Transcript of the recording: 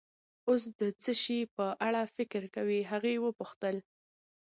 اوس د څه شي په اړه فکر کوې؟ هغې وپوښتل.